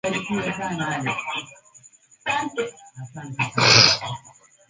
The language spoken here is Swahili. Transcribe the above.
Wakiwa wanaanguka Jacob alidaka bastola moja ya wale jamaa